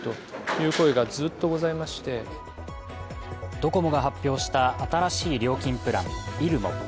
ドコモが発表した新しい料金プラン、ｉｒｕｍｏ。